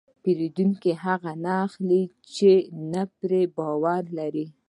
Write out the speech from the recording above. پیرودونکی هغه نه اخلي چې نه پرې باور لري.